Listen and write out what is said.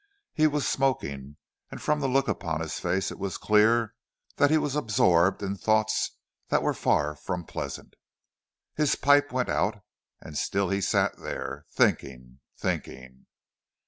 He was smoking, and from the look upon his face it was clear that he was absorbed in thoughts that were far from pleasant. His pipe went out, and still he sat there, thinking, thinking.